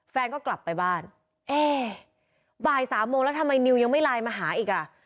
แฟนก็กลับไปบ้านเอ๊บ่ายสามโมงแล้วทำไมนิวยังไม่ไลน์มาหาอีกอ่ะ